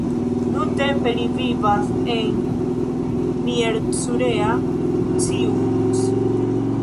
Nuntempe li vivas en Miercurea Ciuc.